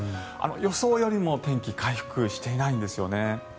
予想よりも天気回復していないんですよね。